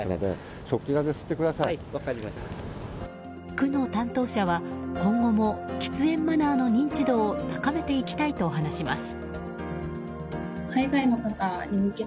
区の担当者は今後も喫煙マナーの認知度を高めていきたいと話します。